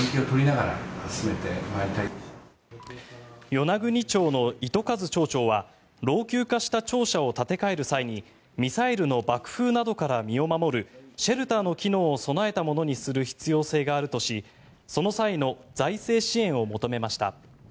与那国町の糸数町長は老朽化した庁舎を建て替える際にミサイルの爆風などから身を守るシェルターの機能を備えたものにする必要性があるとしその際の財政支援を求めました。